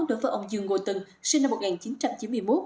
đối với ông dương ngô tân sinh năm một nghìn chín trăm chín mươi một